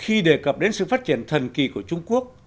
khi đề cập đến sự phát triển thần kỳ của trung quốc